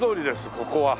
ここは。